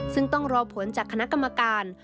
ซึ่งต้องรอผลจากคณะกรรมการ